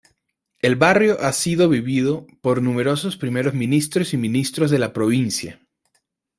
El barrio ha sido vivido por numerosos primeros ministros y ministros de la provincia.